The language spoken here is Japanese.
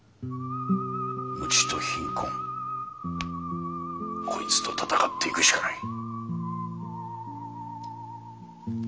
無知と貧困こいつと闘っていくしかない。